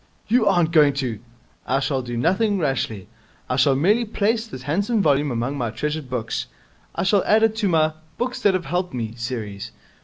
'You aren't going to !' 'I shall do nothing rashly. I shall merely place this handsome volume among my treasured books. I shall add it to my "Books that have helped me" series.